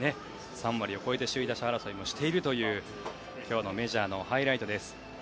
３割を超えて首位打者争いもしているという今日のメジャーのハイライト。